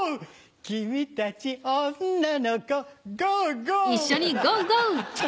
君たち女の子ゴーゴー！